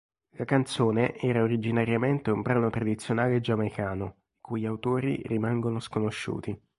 La canzone era originariamente un brano tradizionale giamaicano, i cui autori rimangono sconosciuti.